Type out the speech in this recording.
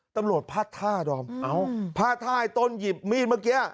ตำรวจพัดท่าด้อมเอ้าพัดท่าให้ต้นหยิบมีดเมื่อกี้อ่ะ